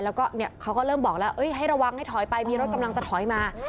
แล้วก็เขาก็เริ่มบอกแล้วให้ระวังให้ถอยไปมีรถกำลังจะถอยมา